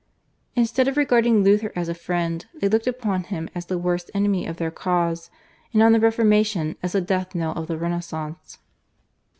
Instead of regarding Luther as a friend they looked upon him as the worst enemy of their cause, and on the Reformation as the death knell of the Renaissance.